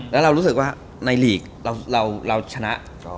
แล้วเรารู้สึกว่าในหลีกเราชนะ